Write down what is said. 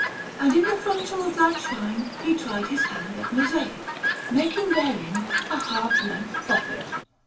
And in the frontal of that shrine he tried his hand at mosaic, making therein a half length prophet.